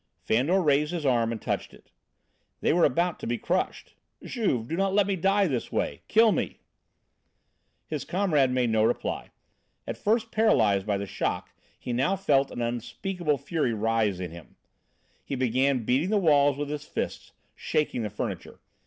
Fandor raised his arm and touched it. They were about to be crushed. "Juve, do not let me die this way. Kill me!" His comrade made no reply. At first paralysed by the shock he now felt an unspeakable fury rise up in him. He began beating the walls with his fists, shaking the furniture.